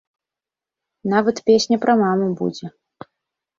Нават песня пра маму будзе!